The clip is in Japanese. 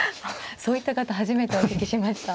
そういった方初めてお聞きしました。